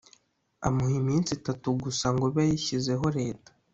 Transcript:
amuha iminsi itatu gusa ngo abe yashyizeho leta